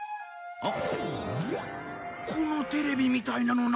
あっ！